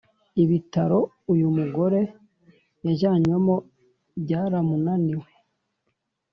ibitaro uyu mugore yajyanwemo byaramunaniwe